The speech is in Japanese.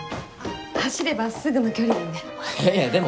走ればすぐの距離なので。